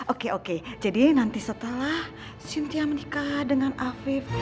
oke oke jadi nanti setelah cynthia menikah dengan afif